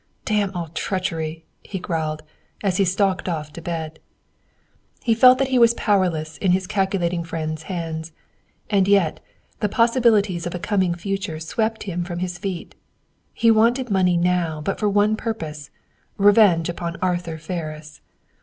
Damn all treachery!" he growled, as he stalked off to bed. He felt that he was powerless in his calculating friend's hands, and yet, the possibilities of a coming future swept him from his feet. He wanted money now but for one purpose revenge upon Arthur Ferris.